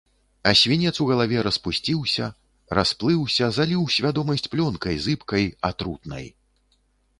А свінец у галаве распусціўся, расплыўся, заліў свядомасць пялёнкай зыбкай, атрутнай.